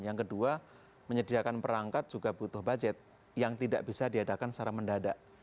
yang kedua menyediakan perangkat juga butuh budget yang tidak bisa diadakan secara mendadak